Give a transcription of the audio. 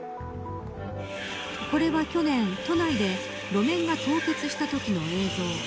これは去年、都内で路面が凍結したときの映像。